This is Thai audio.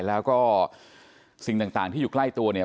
แล้วก็สิ่งต่างที่อยู่ใกล้ตัวเนี่ย